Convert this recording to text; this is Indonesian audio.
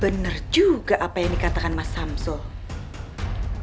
bener juga apa yang dikatakan mas samad